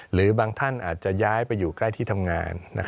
หรือบางท่านอาจจะย้ายไปอยู่ใกล้ที่ทำงาน